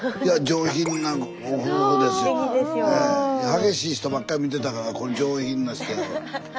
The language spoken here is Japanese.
激しい人ばっかり見てたからこれ上品な人やわ。